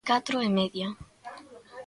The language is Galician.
Catro e media.